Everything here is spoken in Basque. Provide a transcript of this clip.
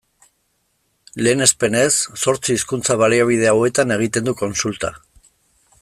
Lehenespenez, zortzi hizkuntza-baliabide hauetan egiten du kontsulta.